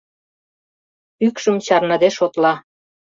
Пӱкшым чарныде шотла;